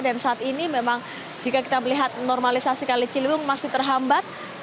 dan saat ini memang jika kita melihat normalisasi kali ciliwung masih terhambat